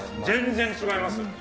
全然違います。